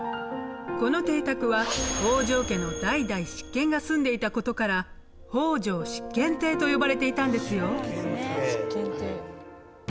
この邸宅は北条家の代々執権が住んでいた事から北条執権邸と呼ばれていたんですよ。